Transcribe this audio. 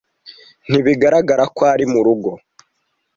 Ntibigaragara ko ari murugo.